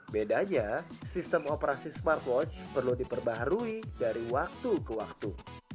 bedanya sistem operasi smartwatch perlu diperbaharui dari waktu ke waktu